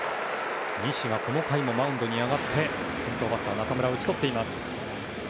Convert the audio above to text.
西はこの回もマウンドに上がり先頭バッター、中村を打ち取っています。